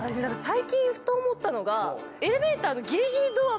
最近ふと思ったのがエレベーターのギリギリドア